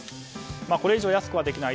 これ以上、安くはできない。